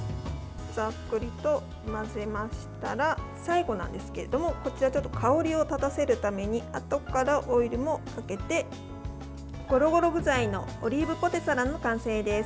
ざっくりと混ぜましたら最後なんですけれどもこちら香りを立たせるためにあとからオイルをかけてごろごろ具材のオリーブポテサラの完成です。